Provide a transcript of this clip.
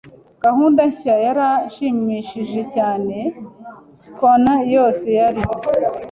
Gahunda nshya yaranshimishije cyane. Schooner yose yari